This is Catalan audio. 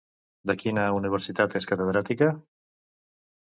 De quina universitat és catedràtica?